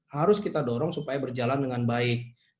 harus kita dorong supaya berjalan dengan baik